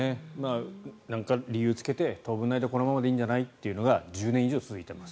何か理由をつけて当分の間このままでいいんじゃないかというのが１０年以上続いています。